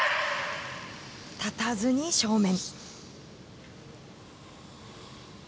立たずに正面。